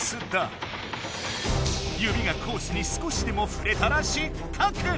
指がコースに少しでもふれたら失格！